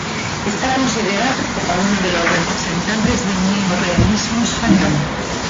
Está considerado como uno de los representantes del neorrealismo español.